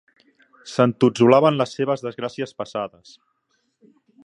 S'entotsolava en les seves desgràcies passades.